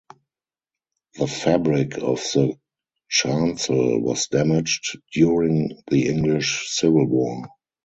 The fabric of the chancel was damaged during the English Civil War.